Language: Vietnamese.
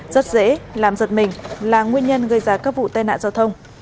rất dễ làm giật mình là nguyên nhân gây ra các vụ tai nạn giao thông